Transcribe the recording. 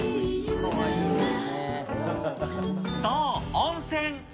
そう、温泉。